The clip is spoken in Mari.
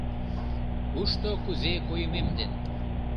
Кушто кузе койымем ден.